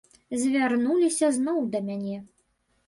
Звярнуліся зноў да мяне.